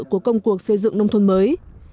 của công cuộc xây dựng nông thuần mới